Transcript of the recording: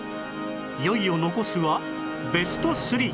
いよいよ残すはベスト３